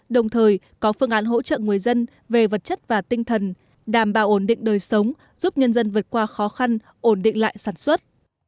đồng thời có phương án hỗ trợ người dân về vật chất và tinh thần đảm bảo ổn định đời sống giúp nhân dân vượt qua khó khăn ổn định lại sản xuất